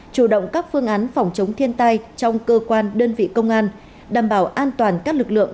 chủ động các phương án phòng chống thiên tai trong cơ quan đơn vị công an đảm bảo an toàn các lực lượng